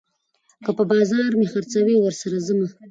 که په بازار مې خرڅوي، ورسره ځمه